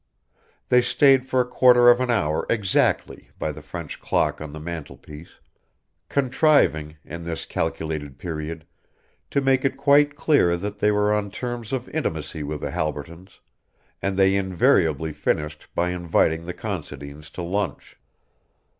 They stayed for a quarter of an hour exactly by the French clock on the mantelpiece, contriving, in this calculated period, to make it quite clear that they were on terms of intimacy with the Halbertons, and they invariably finished by inviting the Considines to lunch.